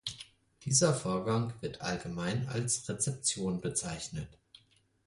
Dieser Vorgang wird allgemein als Rezeption bezeichnet.